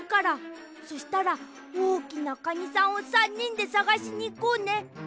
そしたらおおきなカニさんを３にんでさがしにいこうね。